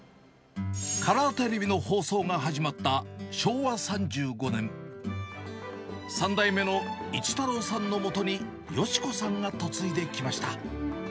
カラーテレビの放送が始まった昭和３５年、３代目の市太郎さんのもとに芳子さんが嫁いできました。